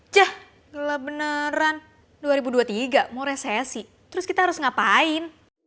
jah gelap beneran dua ribu dua puluh tiga mau resesi terus kita harus ngapain